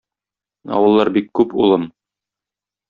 Авыллар бик күп, улым.